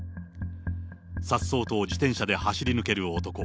さっそうと自転車で走り抜ける男。